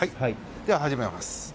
では始めます。